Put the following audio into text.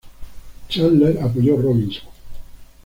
Chandler apoyó Robinson.